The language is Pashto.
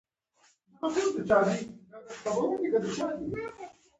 کار و اهل کار ته وسپارئ